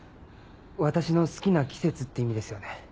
「私の好きな季節」って意味ですよね。